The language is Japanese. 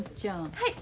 はい。